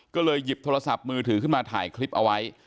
ก็เลยหยิบโทรศัพท์มือถือขึ้นมาถ่ายคลิปเอาไว้